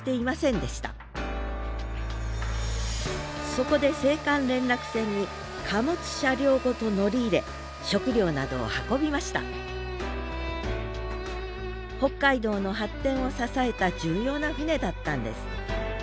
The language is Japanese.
そこで青函連絡船に貨物車両ごと乗り入れ食料などを運びました北海道の発展を支えた重要な船だったんです。